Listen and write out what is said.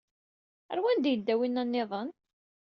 Ɣer wanda i yedda winna nniḍen?